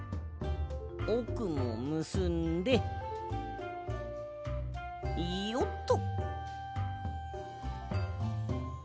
おくもむすんでよっと。